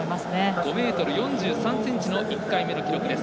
５ｍ４３ｃｍの１回目の記録です。